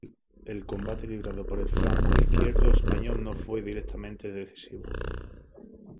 El combate librado por el flanco izquierdo español no fue directamente decisivo.